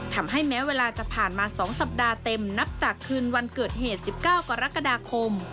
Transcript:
แม้เวลาจะผ่านมา๒สัปดาห์เต็มนับจากคืนวันเกิดเหตุ๑๙กรกฎาคม